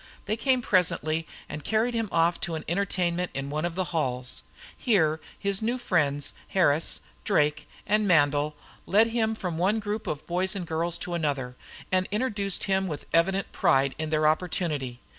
They came presently and carried him off to an entertainment in one of the halls. Here his new friends, Harris, Drake, and Mandle, led him from one group of boys and girls to another, and introduced him with evident pride in their opportunity.